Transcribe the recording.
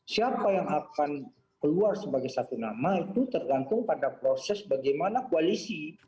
siapa yang akan keluar sebagai satu nama itu tergantung pada proses bagaimana koalisi